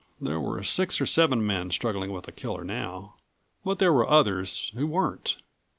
There were six or seven men struggling with the killer now but there were others who weren't.